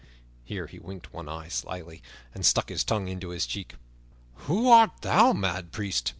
Here he winked one eye slyly and stuck his tongue into his cheek. "Who art thou, mad priest?"